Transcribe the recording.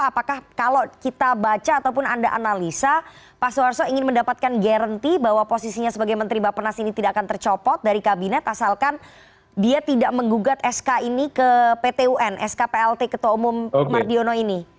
apakah kalau kita baca ataupun anda analisa pak soeharto ingin mendapatkan garanti bahwa posisinya sebagai menteri bapak penas ini tidak akan tercopot dari kabinet asalkan dia tidak menggugat sk ini ke pt un sk plt ketua umum mardiono ini